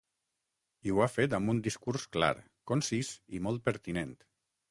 I ho ha fet amb un discurs clar, concís i molt pertinent.